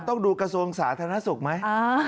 ต้องดูกระทรวงสาธารณสุขไหม